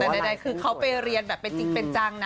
แต่ใดคือเขาไปเรียนจริงเป็นจังนะ